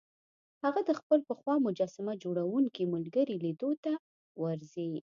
هغه د خپل پخوا مجسمه جوړوونکي ملګري لیدو ته ورځي